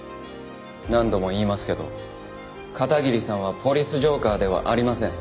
何度も言いますけど片桐さんは「ポリス浄化ぁ」ではありません。